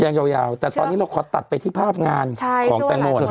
ยังยาวยาวแต่ตอนนี้เราขอตัดไปที่ภาพงานใช่ของแตงโมสุดสด